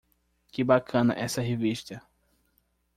Que bacana essa revista.